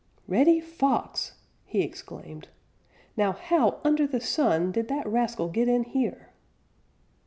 "Reddy Fox!" he exclaimed. "Now how under the sun did that rascal get in here?"